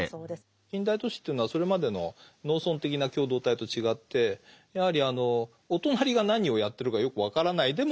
近代都市というのはそれまでの農村的な共同体と違ってやはりあのお隣が何をやってるかよく分からない。